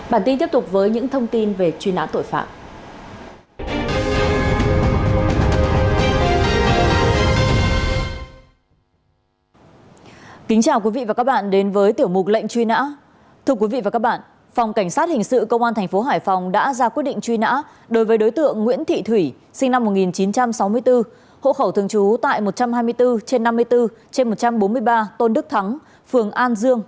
bản tin tiếp tục với những thông tin về truy nã tội phạm